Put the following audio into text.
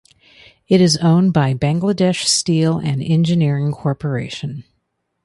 It is owned by Bangladesh Steel and Engineering Corporation.